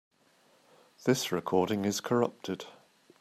This recording is corrupted.